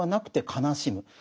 悲しむ。